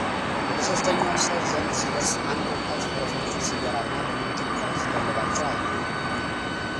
ወደሶስተኛውም ሰው ዘንድ ሲደርስ አንድ ወጣት ፈረሶችን ሲገራና በሙሉ ጥንካሬ ሲጋልባቸው አየ፡፡